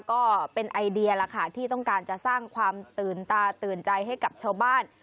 ก็เป็นไอเดียล่ะค่ะที่ต้องการจะสร้างความตื่นตาตื่นใจให้กับชาวบ้าน